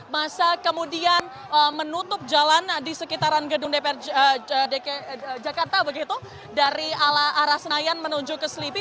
masa kemudian menutup jalan di sekitaran gedung dpr jakarta begitu dari arah senayan menuju ke selipi